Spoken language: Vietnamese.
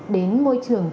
đến môi trường